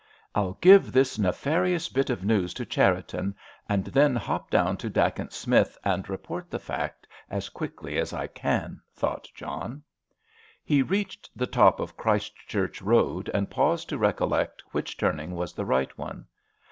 "I'll give this nefarious bit of news to Cherriton, then hop down to Dacent Smith and report the fact as quickly as I can," thought John. He reached the top of Christ Church Road and paused to recollect which turning was the right one.